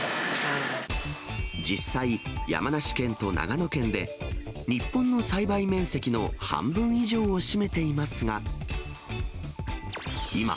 実際、山梨県と長野県で、日本の栽培面積の半分以上を占めていますが。